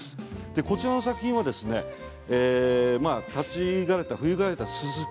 こちらの作品は立ち枯れた冬枯れたススキ。